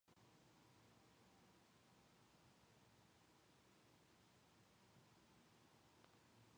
He has no fangs, and his favourite food, as a vegetarian, is broccoli sandwiches.